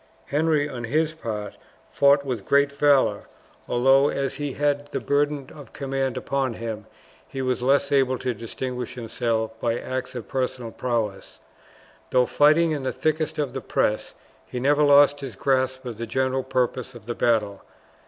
Henry on his part fought with great valour, although, as he had the burden of command upon him, he was less able to distinguish himself by acts of personal prowess. Though fighting in the thickest of the press, he never lost his grasp of the general purpose of the battle.